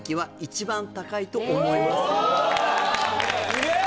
すげえ！